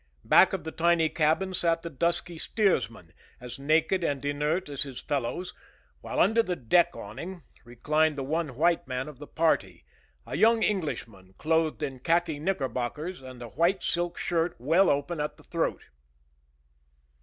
Back of the tiny cabin sat the dusky steersman, as naked and inert as his fellows, while under the deck awning reclined the one white man of the party, a young Englishman clothed in khaki knickerbockers and a white silk shirt well open at the throat.